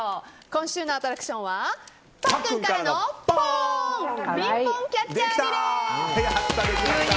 今週のアトラクションはパックンからのポン！